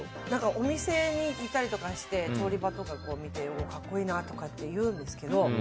お店にいたりして調理場とか見て格好いいな！とかっていうんですけど。